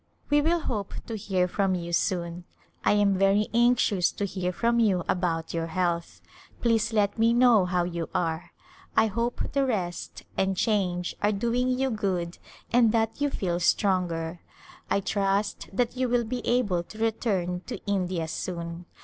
We will hope to hear from you soon. I am very anxious to hear from you about [ 193] A Glimpse of hidia your health. Please let me know how you are. I hope the rest and change are doing you good and that you feel stronger. I trust that you will be able to re turn to India soon.